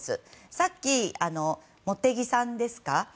さっき、茂木さんですか。